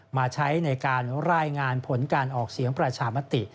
มาใช้ในการรายงานผลการออกเสียงประชามติ